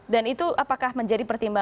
dan itu apakah menjadi persenjataan